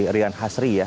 rian hasri ya